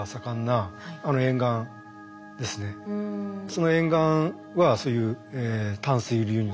その沿岸はそういう淡水流入。